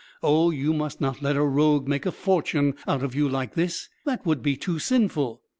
Oh, you must not let a rogue make a fortune out of you like this. That would be too sinful."